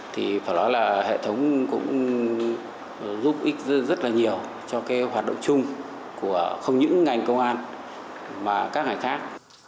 thì phải nói là hệ thống cũng giúp ích rất là nhiều cho cái hoạt động chung của không những ngành công an mà các ngành khác